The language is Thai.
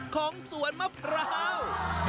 ของสวนมะพร้าว